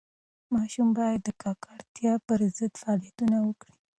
ماشومان باید د ککړتیا پر ضد فعالیتونه وکړي.